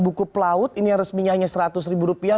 buku pelaut ini yang resminya hanya seratus ribu rupiah